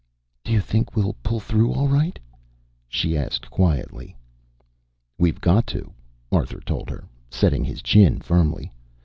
"Do you think we'll pull through all right?" she asked quietly. "We've got to!" Arthur told her, setting his chin firmly.